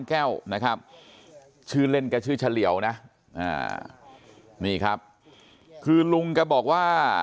แก้วนะครับชื่อเล่นแกชื่อเฉลี่ยวนะนี่ครับคือลุงแกบอกว่า